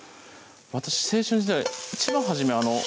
私青春時代一番初め